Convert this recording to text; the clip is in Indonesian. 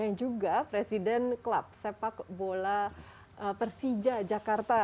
yang juga presiden klub sepak bola persija jakarta